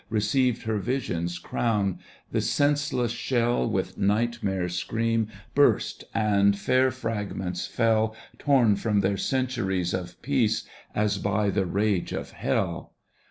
Received her vision's crown. The senseless shell with nightmare scream Burst, and fair fragments fell Tom from their centuries of peace As by the rage of hell.